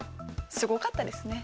すごかったですね。